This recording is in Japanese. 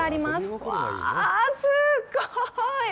うわあ、すごい！